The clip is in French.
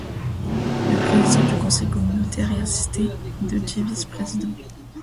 Le président du conseil communautaire est assisté de dix vice-présidents.